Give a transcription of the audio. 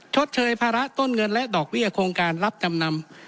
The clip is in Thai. ชดเชยภาระต้นเงินและดอกเบี้ยโครงการรับจำนำ